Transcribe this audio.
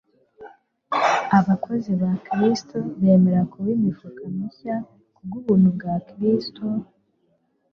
Abakozi ba Kristo nibemera kuba imifuka mishya kubw'ubuntu bwa Kristo,